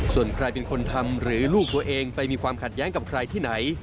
ส่วนใครเป็นคนทำหรือลูกตัวเองไปมีความขัดแย้งกับใครที่ไหน